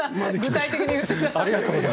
具体的に言ってくださった。